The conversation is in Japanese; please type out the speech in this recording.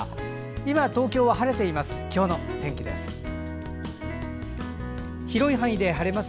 今、東京は晴れています。